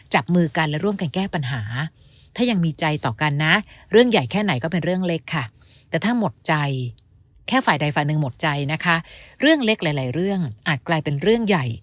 จับมือกันและร่วมกันแก้ปัญหา